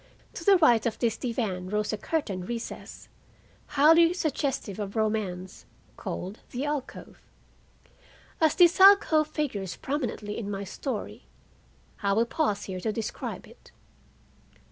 To the right of this divan rose a curtained recess, highly suggestive of romance, called "the alcove." As this alcove figures prominently in my story, I will pause here to describe it.